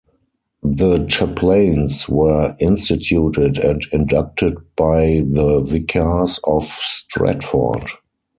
The chaplains were instituted and inducted by the vicars of Stratford.